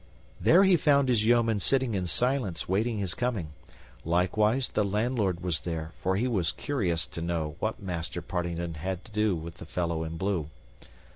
There he found his yeomen sitting in silence, waiting his coming; likewise the landlord was there, for he was curious to know what Master Partington had to do with the fellow in blue.